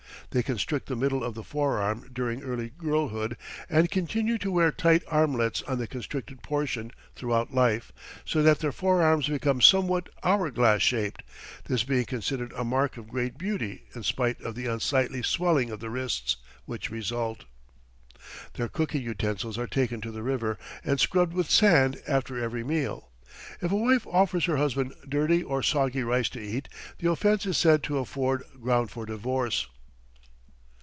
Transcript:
They constrict the middle of the forearm during early girlhood and continue to wear tight armlets on the constricted portion throughout life, so that their forearms become somewhat hourglass shaped, this being considered a mark of great beauty in spite of the unsightly swelling of the wrists which results.... "Their cooking utensils are taken to the river and scrubbed with sand after every meal. If a wife offers her husband dirty or soggy rice to eat, the offense is said to afford ground for divorce....